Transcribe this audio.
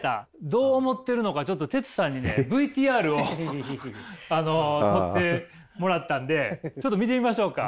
どう思ってるのかちょっとテツさんにねＶＴＲを撮ってもらったんでちょっと見てみましょうか。